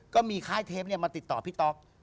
ค่ายเทปมาติดต่อพี่ต๊อก